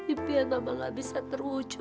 impian mama nggak bisa terwujud